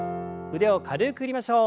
腕を軽く振りましょう。